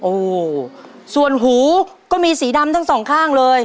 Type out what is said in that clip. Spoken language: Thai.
โอ้โหส่วนหูก็มีสีดำทั้งสองข้างเลย